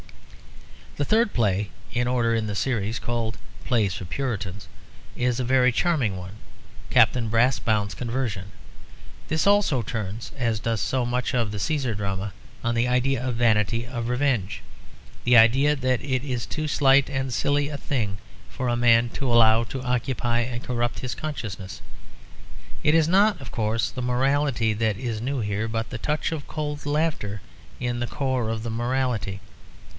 The third play in order in the series called Plays for Puritans is a very charming one; Captain Brassbound's Conversion. This also turns, as does so much of the Cæsar drama, on the idea of vanity of revenge the idea that it is too slight and silly a thing for a man to allow to occupy and corrupt his consciousness. It is not, of course, the morality that is new here, but the touch of cold laughter in the core of the morality.